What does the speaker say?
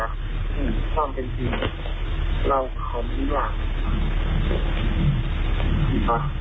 ความเป็นจริงเราเขาไม่อยาก